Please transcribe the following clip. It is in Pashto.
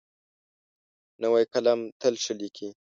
نوی قلم تل ښه لیکي.